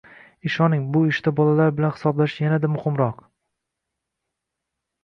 ishoning, bu ishda bolalar bilan hisoblashish yana-da muhimroq!